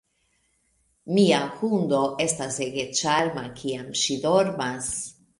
Mia hundo estas ege ĉarma, kiam ŝi dormas.